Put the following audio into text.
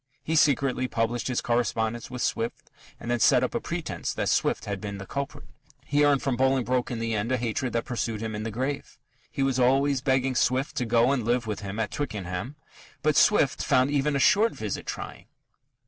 He secretly published his correspondence with Swift and then set up a pretence that Swift had been the culprit. He earned from Bolingbroke in the end a hatred that pursued him in the grave. He was always begging Swift to go and live with him at Twickenham. But Swift found even a short visit trying.